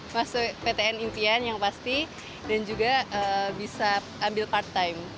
masuk ptn impian yang pasti dan juga bisa ambil part time